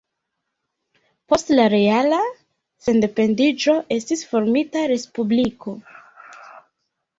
Post la reala sendependiĝo estis formita Respubliko.